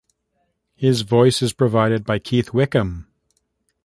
His voice is provided by Keith Wickham.